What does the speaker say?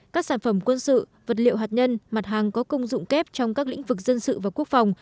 các sản phẩm quân sự vật liệu hạt nhân mặt hàng có công dụng kép trong các lĩnh vực dân sự và quốc phòng